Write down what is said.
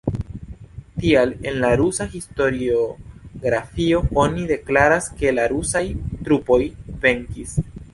Tial en la rusa historiografio oni deklaras, ke la rusaj trupoj "venkis".